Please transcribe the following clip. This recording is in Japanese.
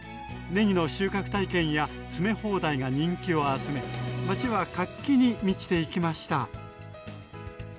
ねぎの収穫体験や詰め放題が人気を集め町は活気に満ちていきました。